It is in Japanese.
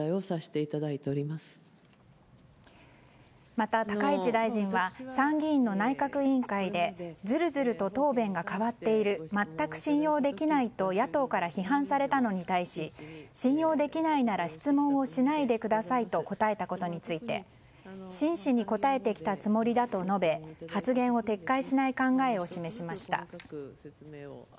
また、高市大臣は参議院の内閣委員会でずるずると答弁が変わっている全く信用できないと野党から批判されたのに対し信用できないなら質問をしないでくださいと答えたことについて真摯に答えてきたつもりだと述べ発言を撤回しない考えを示しました。